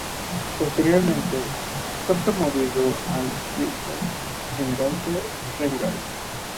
Posteriormente fue promovido a brigadier general de Regulares.